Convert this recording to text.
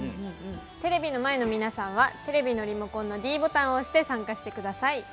テレビの前の皆さんはテレビのリモコンのｄボタンを押して参加してください。